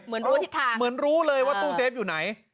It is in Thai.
รู้ทิศทางเหมือนรู้เลยว่าตู้เซฟอยู่ไหน